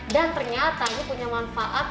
dan ternyata ini punya manfaat